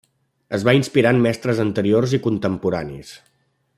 Es va inspirar en mestres anteriors i contemporanis.